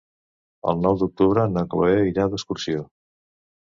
El nou d'octubre na Chloé irà d'excursió.